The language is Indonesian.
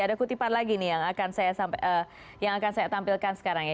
ada kutipan lagi nih yang akan saya tampilkan sekarang ya